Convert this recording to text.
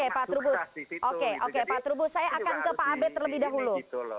oke pak trubus oke oke pak trubus saya akan ke pak abed terlebih dahulu